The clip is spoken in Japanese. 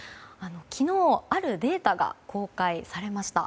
昨日、あるデータが公開されました。